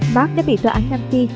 mark đã bị tòa án nam phi